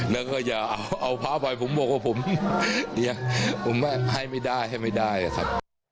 แล้วก็อย่าเอาพระไปผมบอกว่าผมให้ไม่ได้ครับ